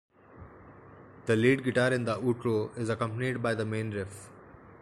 The lead guitar in the outro is accompanied by the main riff.